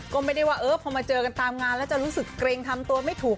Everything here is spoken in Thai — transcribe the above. ก็ไม่ได้ว่าเออพอมาเจอกันตามงานแล้วจะรู้สึกเกรงทำตัวไม่ถูก